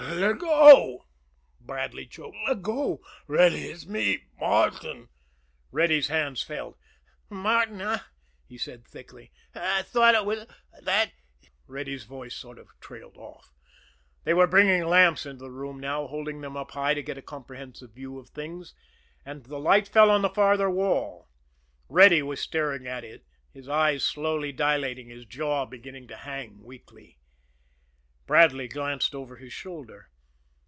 "Let go!" Bradley choked. "Let go, Reddy. It's me Martin." Reddy's hands fell. "Martin, eh?" he said thickly. "Thought it was hic that " Reddy's voice sort of trailed off. They were bringing lamps into the room now, holding them up high to get a comprehensive view of things and the light fell on the farther wall. Reddy was staring at it, his eyes slowly dilating, his jaw beginning to hang weakly. Bradley glanced over his shoulder.